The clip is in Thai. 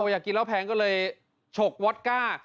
อยากกินเหล้าแพงก็เลยฉกวอตก้า